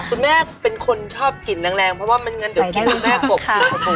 คุณแม่เป็นคนชอบกลิ่นแรงเพราะว่าไม่งั้นเดี๋ยวกินคุณแม่กบกิน